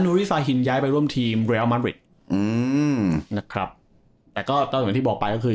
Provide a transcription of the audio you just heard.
นุริสาหินย้ายไปร่วมทีมอืมนะครับแต่ก็ก็เหมือนที่บอกไปก็คือ